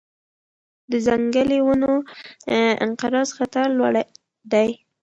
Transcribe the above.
د ځنګلي ونو انقراض خطر لوړ دی.